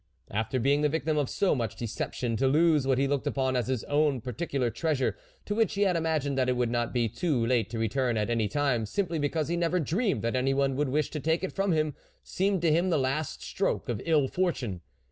After being the victim of so much de ception, to lose what he looked upon as his own particular treasure, to which he had imagined that it would not be too late to return at any time, simply because he never dreamed that anyone would wish to take it from him, seemed to him the last stroke of ill fortune.